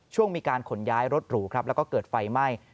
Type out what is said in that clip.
ช่วงมีการขนย้ายรถหรูครับแล้วก็เกิดไฟไหม้